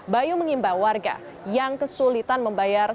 bayu mengimbau warga yang kesulitan membayar